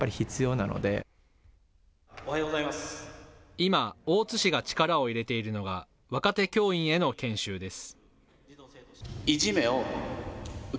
今、大津市が力を入れているのが、若手教員への研修です。